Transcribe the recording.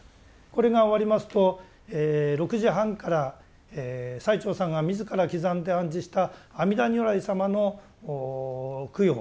これが終わりますと６時半から最澄さんが自ら刻んで安置した阿弥陀如来様の供養